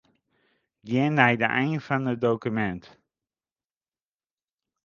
Gean nei de ein fan dokumint.